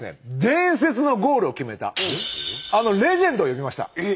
伝説のゴールを決めたあのレジェンドを呼びました！